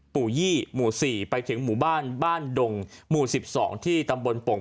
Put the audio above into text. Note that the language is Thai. ปู่ยี่หมู่สี่ไปถึงหมู่บ้านบ้านดงหมู่สิบสองที่ตำบนโป่ง